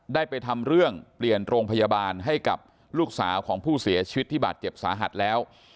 ได้ไปทำเรื่องเปลี่ยนโรงพยาบาลให้กับลูกสาวของผู้เสียชีวิตที่บาดเจ็บสาหัสแล้ว